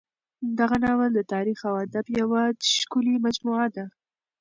دغه ناول د تاریخ او ادب یوه ښکلې مجموعه ده.